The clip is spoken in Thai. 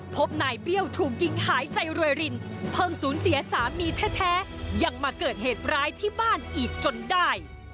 พบนายเปรี้ยวถูกยิงหายใจรวยรินเพิ่งสูญเสียสามีแท้ยังมาเกิดเหตุร้ายที่บ้านอีกจนได้